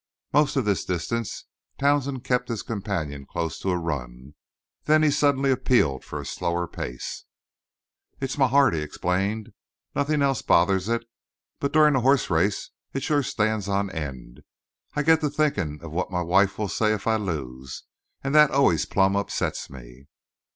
Most of this distance Townsend kept his companion close to a run; then he suddenly appealed for a slower pace. "It's my heart," he explained. "Nothin' else bothers it, but during a hoss race it sure stands on end. I get to thinkin' of what my wife will say if I lose; and that always plumb upsets me."